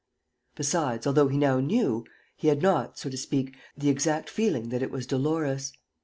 Besides, although he now knew, he had not, so to speak, the exact feeling that it was Dolores.